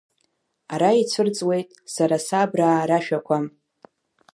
Ара ицәырҵуеит сара сабраа рашәақәа!